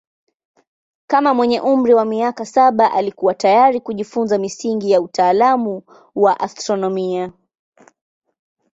Kama mwenye umri wa miaka saba alikuwa tayari kujifunza misingi ya utaalamu wa astronomia.